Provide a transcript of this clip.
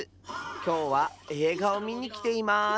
きょうはえいがをみにきています。